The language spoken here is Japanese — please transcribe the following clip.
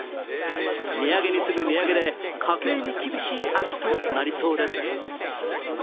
値上げに次ぐ値上げで家計に厳しい秋となりそうです。